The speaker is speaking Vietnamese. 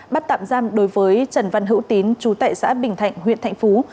bắt tạm giam đối với trần văn hữu tín chú tại xã bình thạnh huyện thạnh phú